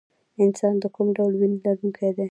انسان د کوم ډول وینې لرونکی دی